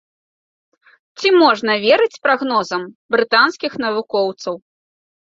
Ці можна верыць прагнозам брытанскіх навукоўцаў?